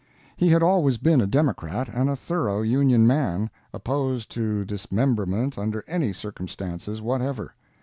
He had always been a Democrat and a thorough Union man, opposed to dismemberment under any circumstances whatever.